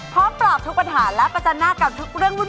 พร้อมปราบทุกปัญหาและประจันหน้ากับทุกเรื่องวุ่น